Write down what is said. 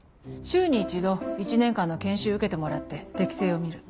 週に一度１年間の研修受けてもらって適性を見る。